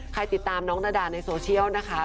ติดตามน้องนาดาในโซเชียลนะคะ